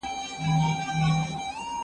زه اجازه لرم چي سبا ته فکر وکړم!.